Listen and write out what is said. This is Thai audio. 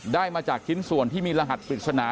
ได้มาจากชิ้นส่วนที่มีรหัสปริศนา